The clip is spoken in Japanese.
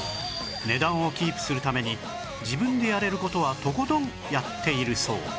値段をキープするために自分でやれる事はとことんやっているそう